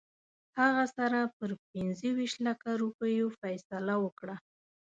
هغه سره پر پنځه ویشت لکه روپیو فیصله وکړه.